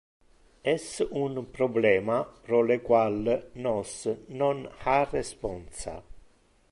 Es un problema pro le qual nos non ha responsa.